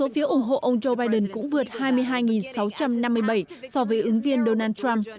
phiếu ủng hộ ông joe biden cũng vượt hai mươi hai sáu trăm năm mươi bảy so với ứng viên donald trump